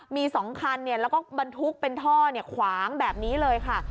มี๒คันแล้วก็บรรทุกเป็นท่อขวางแบบนี้เลยค่ะ